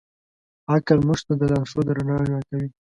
عقل موږ ته د لارښود رڼا راکوي.